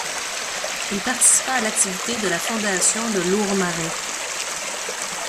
Il participa à l'activité de la fondation de Lourmarin.